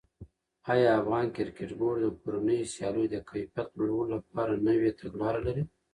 آیا افغان کرکټ بورډ د کورنیو سیالیو د کیفیت لوړولو لپاره نوې تګلاره لري؟